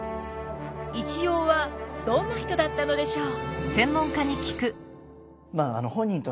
一葉はどんな人だったのでしょう？